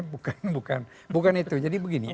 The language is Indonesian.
bukan bukan itu jadi begini